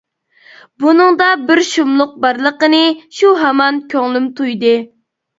بۇنىڭدا بىر شۇملۇق بارلىقىنى شۇ ھامان كۆڭلۈم تۇيدى.